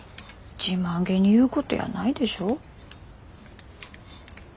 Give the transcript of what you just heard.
自慢気に言うことやないでしょ。